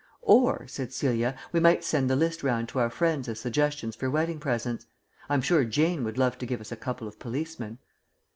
"Or," said Celia, "we might send the list round to our friends as suggestions for wedding presents. I'm sure Jane would love to give us a couple of policemen."